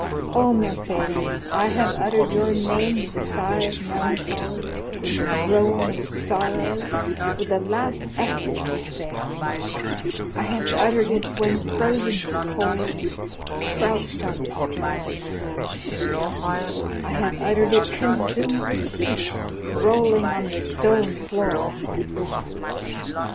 Oh, Mercédès, I have uttered your name with the sigh of melancholy, with the groan of sorrow, with the last effort of despair; I have uttered it when frozen with cold, crouched on the straw in my dungeon; I have uttered it, consumed with heat, rolling on the stone floor of my prison.